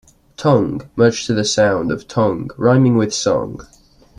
"Tongue" merged to the sound of "tong", rhyming with "song".